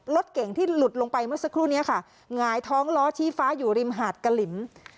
รถเก่งที่หลุดลงไปเมื่อสักครู่นี้ค่ะหงายท้องล้อชี้ฟ้าอยู่ริมหาดกะหลิม